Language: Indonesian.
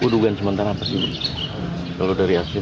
dugaan sementara apa sih